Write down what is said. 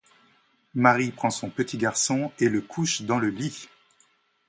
Marie prend son petit garçon et le couche dans le lit.